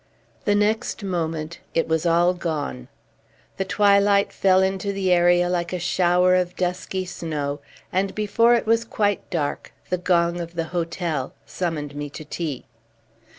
The next moment, it was all gone. The twilight fell into the area like a shower of dusky snow, and before it was quite dark, the gong of the hotel summoned me to tea.